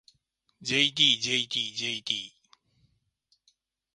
ｊｄｊｄｊｄ